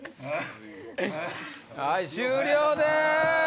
はい終了です！